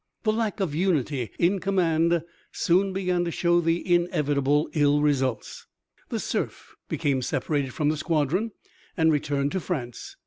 The lack of unity in command soon began to show the inevitable ill results. The Cerf became separated from the squadron and returned to France.